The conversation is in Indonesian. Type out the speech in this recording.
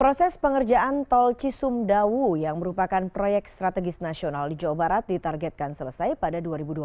proses pengerjaan tol cisumdawu yang merupakan proyek strategis nasional di jawa barat ditargetkan selesai pada dua ribu dua puluh